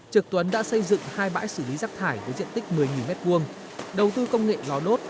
trực tuấn đã xây dựng hai bãi xử lý rác thải với diện tích một mươi m hai đầu tư công nghệ lò nốt